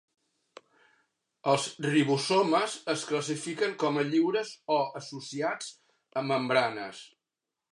Els ribosomes es classifiquen com a lliures o associats a membranes.